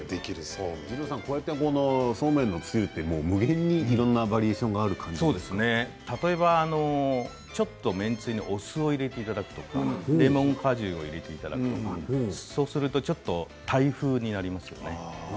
そうめんのつゆって無限にいろんなバリエーションが例えばちょっと麺つゆにお酢を入れていただくとかレモン果汁を入れていただくとかそうするとちょっとタイ風になりますね。